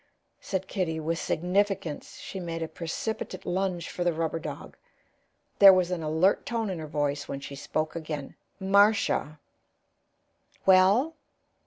said Kitty, with significance; she made a precipitate lunge for the rubber dog. There was an alert tone in her voice when she spoke again: "Marcia." "Well?"